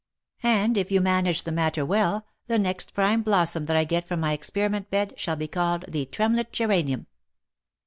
And if you manage the matter well, the next prime blossom that I get from my experiment bed, shall be called the Tremlett geranium."